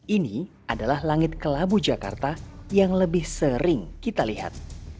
ini adalah langit kelabu jakarta yang lebih sering kita lihat